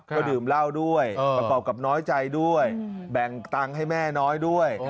ก็ดื่มเหล้าด้วยประกอบกับน้อยใจด้วยแบ่งตังค์ให้แม่น้อยด้วย